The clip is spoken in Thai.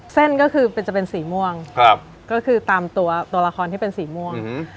เส้นก็คือจะเป็นสีม่วงก็คือตามตัวละครที่เป็นสีม่วง